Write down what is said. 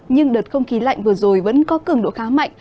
nhưng đợt không khí lạnh vừa rồi vẫn có cường độ khá mạnh